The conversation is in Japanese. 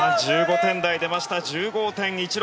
１５点台、出ました１５．１６６。